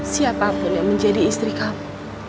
siapa pun yang menjadi istri kamu